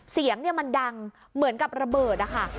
เสียงมันดังเหมือนกับระเบิดนะคะ